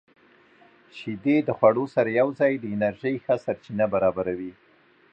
• شیدې د خوړو سره یوځای د انرژۍ ښه سرچینه برابروي.